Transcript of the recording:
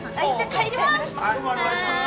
・帰ります